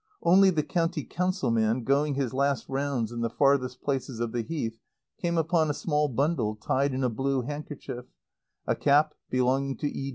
Only the County Council man, going his last rounds in the farthest places of the Heath, came upon a small bundle tied in a blue handkerchief, a cap belonging to E.